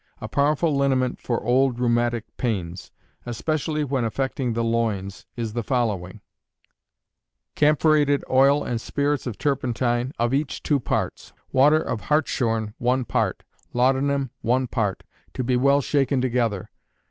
A powerful liniment for old rheumatic pains, especially when affecting the loins, is the following: camphorated oil and spirits of turpentine, of each two parts; water of hartshorn, one part; laudanum, one part; to be well shaken together.